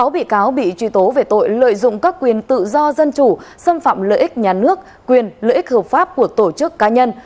sáu bị cáo bị truy tố về tội lợi dụng các quyền tự do dân chủ xâm phạm lợi ích nhà nước quyền lợi ích hợp pháp của tổ chức cá nhân